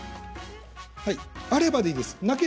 あればでいいです、なけれ